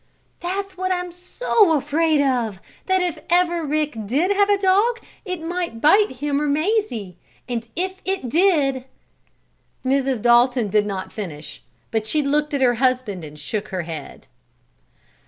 "That's what I'm so afraid of that if ever Rick did have a dog it might bite him or Mazie. And, if it did " Mrs. Dalton did not finish. But she looked at her husband and shook her head.